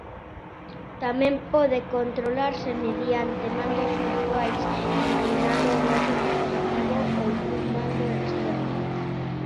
Tamén pode controlarse mediante mandos virtuais, inclinando o noso dispositivo ou cun mando externo.